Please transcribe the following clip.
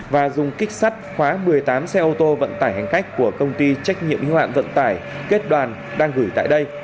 và dùng kích sắt khóa một mươi tám xe ô tô vận tải hành cách của công ty trách nhiệm huy hoạng vận tải